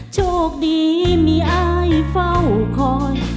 โชคดีมีอายเฝ้าคอย